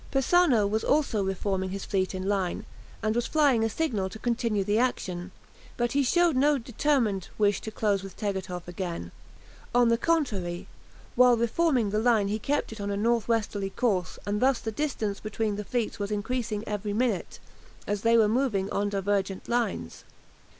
Persano was also reforming his fleet in line, and was flying a signal to continue the action, but he showed no determined wish to close with Tegethoff again. On the contrary, while reforming the line he kept it on a northwesterly course, and thus the distance between the fleets was increasing every minute, as they were moving on divergent lines.